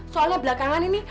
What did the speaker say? soalnya belakangan ini